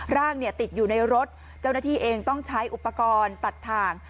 ร่างเนี่ยติดอยู่ในรถเจ้าหน้าที่เองต้องใช้อุปกรณ์ตัดทาง